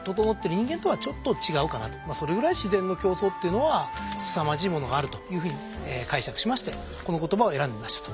それぐらい自然の競争っていうのはすさまじいものがあるというふうに解釈しましてこの言葉を選んでみましたと。